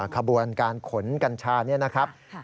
ขบวนการขนกัญชานี่นะครับ